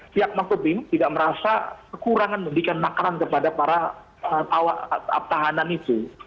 pihak mako brimob tidak merasa kekurangan mendirikan makanan kepada para tahanan itu